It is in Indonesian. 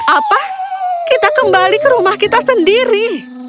apa kita kembali ke rumah kita sendiri